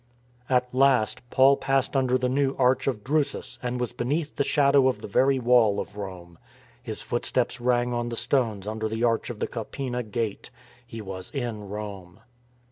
At last, Paul passed under the new Arch of Drusus and was beneath the shadow of the very wall of Rome. His footsteps rang on the stones under the arch of the Capena gate. He was in Rome.